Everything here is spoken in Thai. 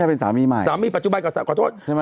นี่เป็นสามีใหม่